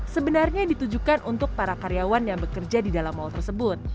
sebenarnya ditujukan untuk para karyawan yang bekerja di dalam mal tersebut